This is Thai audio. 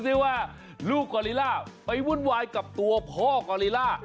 ได้ว่าลูกกอลิล่าไปวุ่นวายกับตัวพ่อกอลิล่า